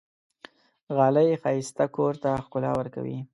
غالۍ ښایسته کور ته ښکلا ورکوي.